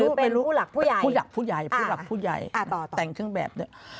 คือหรือเป็นผู้หลักผู้ใหญ่ต่างขึ้นแบบ